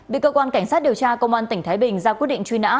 bị cơ quan cảnh sát điều tra công an tỉnh thái bình ra quyết định truy nã